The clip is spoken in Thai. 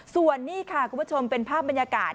ส่วนนี้ค่ะคุณผู้ชมเป็นภาพบรรยากาศ